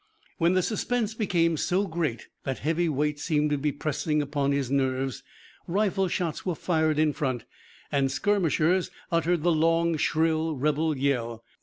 When the suspense became so great that heavy weights seemed to be pressing upon his nerves, rifle shots were fired in front, and skirmishers uttered the long, shrill rebel yell.